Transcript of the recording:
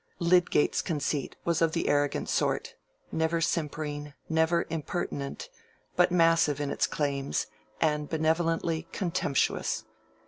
Lydgate's conceit was of the arrogant sort, never simpering, never impertinent, but massive in its claims and benevolently contemptuous.